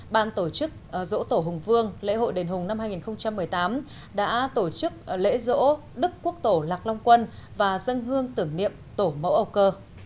ban tổ chức dỗ tổ hùng vương lễ hội đền hùng năm hai nghìn một mươi tám đã tổ chức lễ dỗ đức quốc tổ lạc long quân và dân hương tưởng niệm tổ mẫu âu cơ